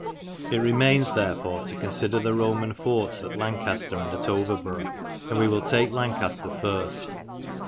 It remains, therefore, to consider the Roman forts at Lancaster and at Overborough, and we will take Lancaster first.